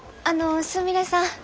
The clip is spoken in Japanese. あのすみれさん。